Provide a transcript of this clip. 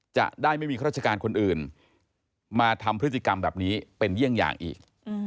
จะได้ไม่มีข้าราชการคนอื่นมาทำพฤติกรรมแบบนี้เป็นเยี่ยงอย่างอีก